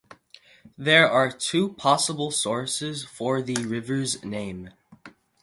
There are two possible sources for the river's name.